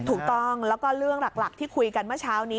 ถูกต้องแล้วก็เรื่องหลักที่คุยกันเมื่อเช้านี้